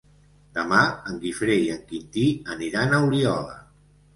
Demà en Guifré i en Quintí aniran a Oliola.